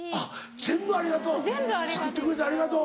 全部「ありがとう」「作ってくれてありがとう」。